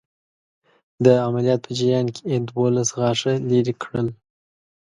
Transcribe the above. د عملیات په جریان کې یې دوولس غاښه لرې کړل.